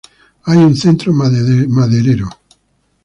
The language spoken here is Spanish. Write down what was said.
Hay un centro maderero.